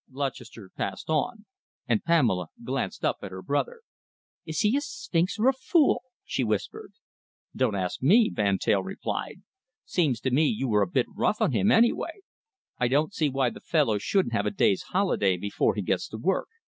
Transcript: Lutchester passed on, and Pamela glanced up at her brother. "Is he a sphinx or a fool?" she whispered. "Don't ask me," Van Teyl replied. "Seems to me you were a bit rough on him, anyway. I don't see why the fellow shouldn't have a day's holiday before he gets to work.